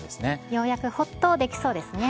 ようやくほっとできそうですね。